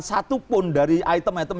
satupun dari item item